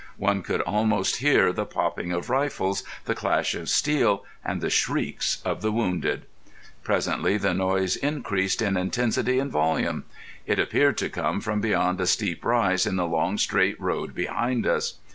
One could almost hear the popping of rifles, the clash of steel, and the shrieks of the wounded. Presently the noise increased in intensity and volume. It appeared to come from beyond a steep rise in the long straight road behind us.